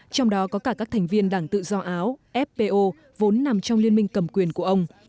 trong đó có cả các thành viên đảng tự do áo fpo vốn nằm trong liên minh cầm quyền của ông